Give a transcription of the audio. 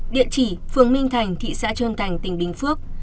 địa chỉ phương minh thành thị xã trân thành tỉnh bình phước